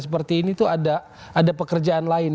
seperti ini tuh ada pekerjaan lain